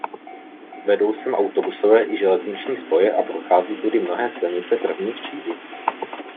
Vedou sem autobusové i železniční spoje a prochází tudy mnohé silnice první třídy.